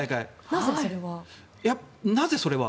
なぜそれは？